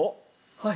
はい。